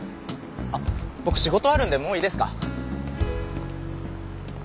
あっ僕仕事あるんでもういいですか？